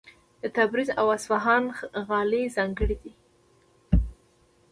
د تبریز او اصفهان غالۍ ځانګړې دي.